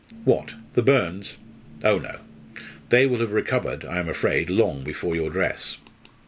"What, the burns? Oh, no! They will have recovered, I am afraid, long before your dress."